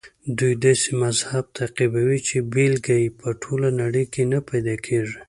دوی داسې مذهب تعقیبوي چې بېلګه یې په ټوله نړۍ کې نه پیدا کېږي.